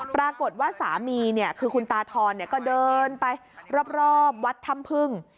ปรากฏว่าสามีคือคุณตาทอนก็เดินไปรอบวัดถ้ำพึ่ง